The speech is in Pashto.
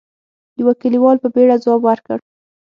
يوه کليوال په بيړه ځواب ورکړ: